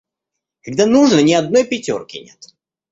Когда нужно, ни одной пятёрки нет.